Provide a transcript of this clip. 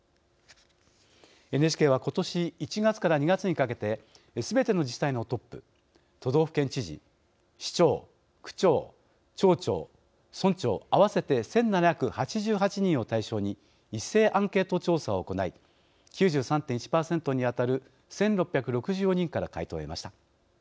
ＮＨＫは、今年１月から２月にかけてすべての自治体のトップ都道府県知事、市長、区長、町長村長合わせて１７８８人を対象に一斉アンケート調査を行い９３．１％に当たる１６６４人から回答を得ました。